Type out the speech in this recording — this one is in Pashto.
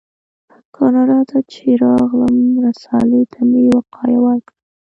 کاناډا ته چې راغلم رسالې ته مې وقایه ورکړه.